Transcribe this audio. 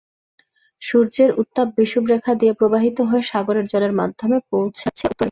সূর্যের উত্তাপ বিষুবরেখা দিয়ে প্রবাহিত হয়ে সাগরের জলের মাধ্যমে পৌঁছাচ্ছে উত্তরে।